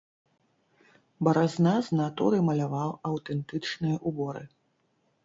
Баразна з натуры маляваў аўтэнтычныя ўборы.